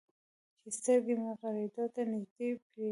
چې سترګې مې غړېدو ته نه پرېږدي.